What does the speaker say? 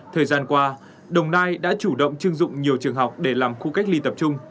thời gian qua đồng nai đã chủ động chưng dụng nhiều trường học để làm khu cách ly tập trung